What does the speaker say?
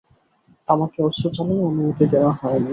আমাকে অস্ত্র চালানোর অনুমতি দেওয়া হয়নি।